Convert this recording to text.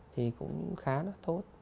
thì cũng khá là tốt